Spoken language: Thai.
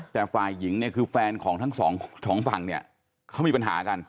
แต่ฝ่ายหญิงเนี่ยคือแฟนของทั้งสองฝั่งเนี่ยเขามีปัญหากัน